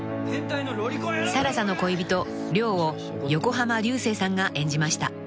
［更紗の恋人亮を横浜流星さんが演じました］